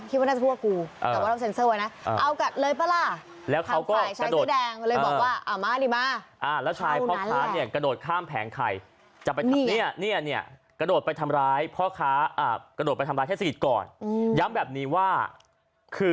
ที่เข่าก็คิดว่านาจะพวกกูถ้าว่าเราเซ็นเซอร์ไว้